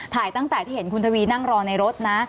ตั้งแต่ที่เห็นคุณทวีนั่งรอในรถนะ